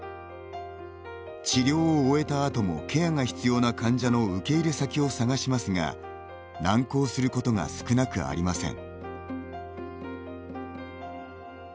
治療を終えたあともケアが必要な患者の受け入れ先を探しますが難航することが少なくありません。